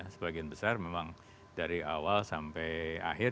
sebagian besar memang dari awal sampai akhir